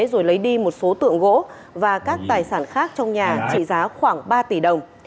rồi lấy đi một số tượng gỗ và các tài sản khác trong nhà trị giá khoảng ba tỷ đồng